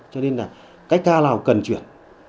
cho nên là cách ca nào cần chuyển